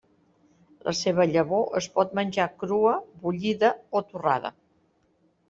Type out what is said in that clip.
La seva llavor es pot menjar crua, bullida o torrada.